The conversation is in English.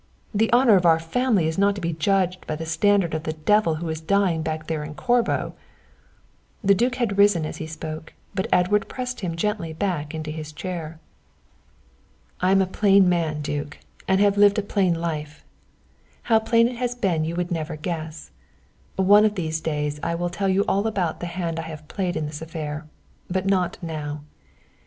The honour of our family is not to be judged by the standard of the devil who is dying back there in Corbo." The duke had risen as he spoke, but Edward pressed him gently back into his chair. "I am a plain man, duke, and have lived a plain life how plain it has been you would never guess. One of these days I will tell you all about the hand I have played in this affair, but not now.